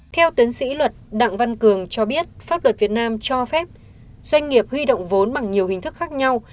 theo tiến sĩ luật đặng văn cường cho biết pháp luật việt nam cho phép doanh nghiệp huy động vốn bằng nhiều hình thức khác nhau